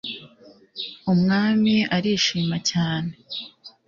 umwami arishima cyane